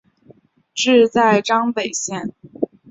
治所在张北县。